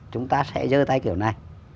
chúng ta sẽ dơ tay kiểu này